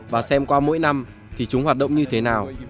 và xem qua mỗi năm thì chúng hoạt động như thế nào